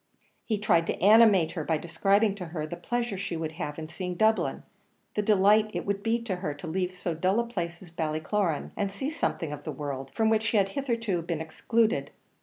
He tried to animate her by describing to her the pleasure she would have in seeing Dublin the delight it would be to her to leave so dull a place as Ballycloran, and see something of the world, from which she had hitherto been excluded.